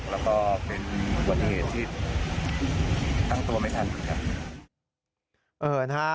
แล้วก็เป็นบทเหตุที่ตั้งตัวไม่ทันคือครับ